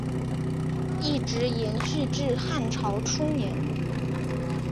一直延续至汉朝初年。